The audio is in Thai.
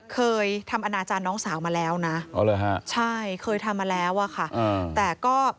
เคยทำอนาจารย์น้องสาวมาแล้วนะใช่เคยทำมาแล้วอะค่ะแต่ก็